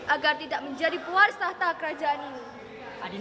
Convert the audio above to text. agar tidak menjadi puar setahta kerajaan ini